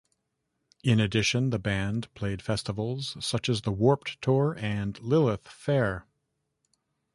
In addition, the band played festivals such as the Warped Tour and Lilith Fair.